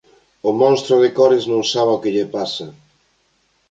O monstro de cores non sabe o que lle pasa.